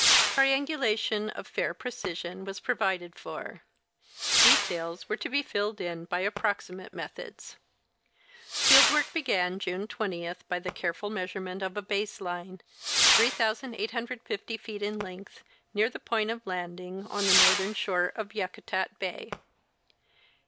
Triangulation of fair precision was provided for. Details were to be filled in by approximate methods. Field work began June 20 by the careful measurement of a base line, 3,850 feet in length, near the point of landing, on the northern shore of Yakutat bay.